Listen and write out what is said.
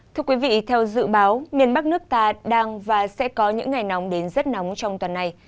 thưa quý vị theo dự báo miền bắc nước ta đang và sẽ có những ngày nóng đến rất nóng trong tuần này